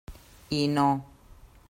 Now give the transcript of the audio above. I no.